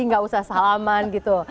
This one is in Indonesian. enggak usah salaman gitu